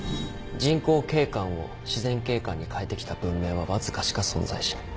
人工景観を自然景観に変えてきた文明はわずかしか存在しない。